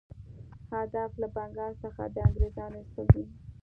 هدف له بنګال څخه د انګرېزانو ایستل دي.